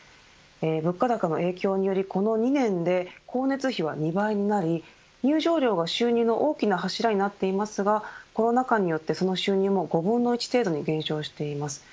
物価高の影響により、この２年で光熱費は２倍になり入場料が収入の大きな柱になっていますがコロナ禍によってその収入も５分の１程度に減少しています。